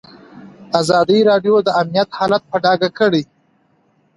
ازادي راډیو د امنیت حالت په ډاګه کړی.